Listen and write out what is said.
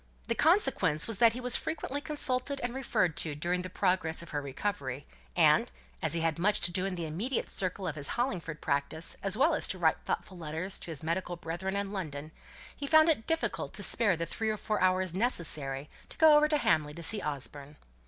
The consequence was that he was frequently consulted and referred to during the progress of her recovery; and, as he had much to do in the immediate circle of his Hollingford practice, as well as to write thoughtful letters to his medical brethren in London, he found it difficult to spare the three or four hours necessary to go over to Hamley to see Osborne.